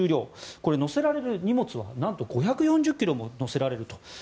これ、載せられる荷物はなんと５４０ｋｇも載せられると。